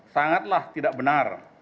sangatlah tidak benar